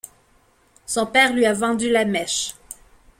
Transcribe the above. Son père lui a vendu la mèche.